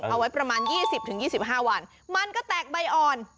เอาไว้ประมาณ๒๐๒๕วันมันก็แตกใบอ่อน